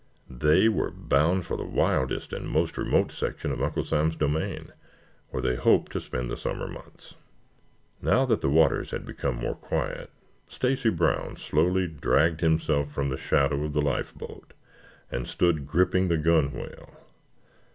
They were bound for the wildest and most remote section of Uncle Sam's domain, where they hoped to spend the summer months. Now that the waters had become more quiet, Stacy Brown slowly dragged himself from the shadow of the life boat and stood gripping the gunwale.